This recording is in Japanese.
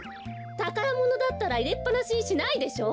たからものだったらいれっぱなしにしないでしょう。